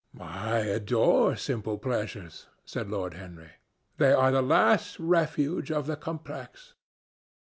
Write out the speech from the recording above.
"I adore simple pleasures," said Lord Henry. "They are the last refuge of the complex.